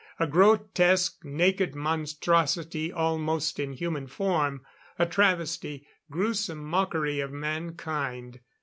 A grotesque naked monstrosity almost in human form. A travesty gruesome mockery of mankind.